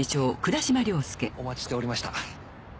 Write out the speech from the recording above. お待ちしておりました。